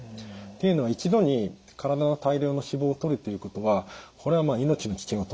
っていうのは一度に体の大量の脂肪をとるということはこれはまあ命の危険を伴います。